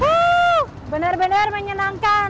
wooo benar benar menyenangkan